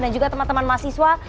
dan juga teman teman mahasiswa